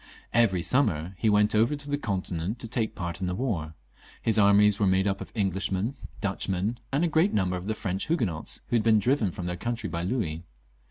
Every summer he went over to the Continent to take part in the war ; his armies were made up of Englishmen, Dutchmen, and a great number of the French Huguenots who had been driven from their country by Louis.